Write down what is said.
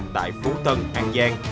tại phú tân an giang